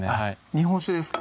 日本酒ですか？